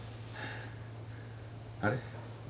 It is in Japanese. あれ？